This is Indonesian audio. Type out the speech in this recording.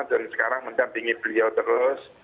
dan sekarang mendampingi beliau terus